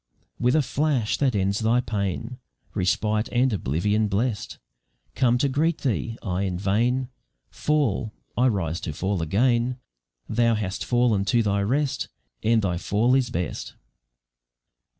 "With the flash that ends thy pain Respite and oblivion blest Come to greet thee. I in vain Fall: I rise to fall again: Thou hast fallen to thy rest And thy fall is best!"